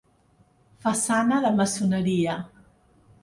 Façana de maçoneria.